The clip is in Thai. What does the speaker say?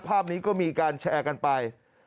ภาพนี้ก็มีการแชร์กันไป